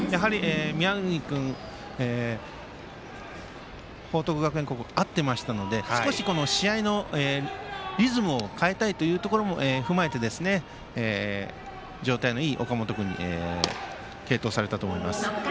宮國君、報徳学園高校は合っていましたので少し試合のリズムを変えたいというところも踏まえて状態のいい岡本君に継投されたと思います。